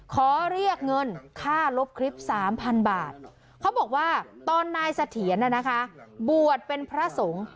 ขอเรียกเงินค่าลบคลิป๓๐๐บาทเขาบอกว่าตอนนายเสถียรบวชเป็นพระสงฆ์